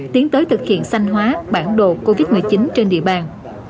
tiến tới thực hiện xanh hóa bản đồ covid một mươi chín trên địa bàn